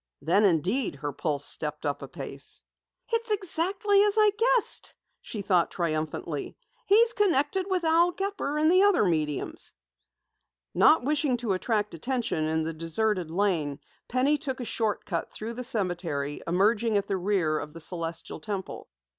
Then, indeed, her pulse stepped up a pace. "It's exactly as I guessed!" she thought triumphantly. "He's connected with Al Gepper and the other mediums!" Not wishing to attract attention in the deserted lane, Penny took a short cut through the cemetery, emerging at the rear of the Celestial Temple.